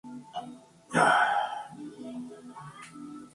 Pertenece al Condado de Wise.